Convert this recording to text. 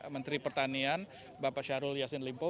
menteri pertanian bapak syahrul yassin limpo